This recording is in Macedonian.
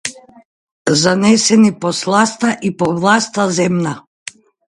Занесени по сласта и по власта земна.